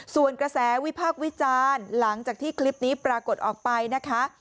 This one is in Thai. ส่วนกระแสวิพากษ์วิจารณ์หลังจากที่คลิปนี้ปรากฏออกไปนะคะ